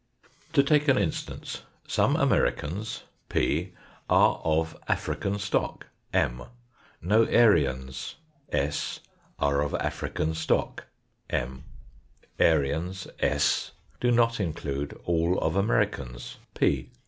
To take an instance : Some Americans (p) are of African stock (M); No Aryans (s) are of African stock (M) ; Aryans (s) do not include all of Americans (p).